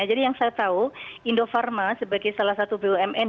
jadi yang saya tahu indofarma sebagai salah satu bumn